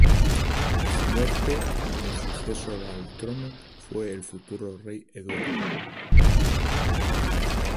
A su muerte, el sucesor al trono fue el futuro rey Eduardo.